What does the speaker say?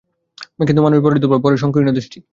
কিন্তু মানুষ বড়ই দুর্বল, বড়ই সংকীর্ণদৃষ্টি।